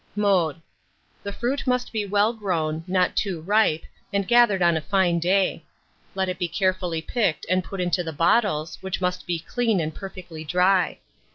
Mode. The fruit must be full grown, not too ripe, and gathered on a fine day. Let it be carefully picked and put into the bottles, which must be clean and perfectly dry.